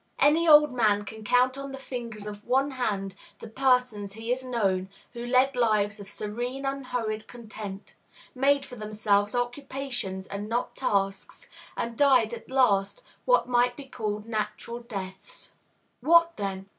Any old man can count on the fingers of one hand the persons he has known who led lives of serene, unhurried content, made for themselves occupations and not tasks, and died at last what might be called natural deaths. "What, then?"